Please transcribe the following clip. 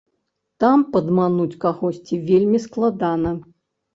Там падмануць кагосьці вельмі складана.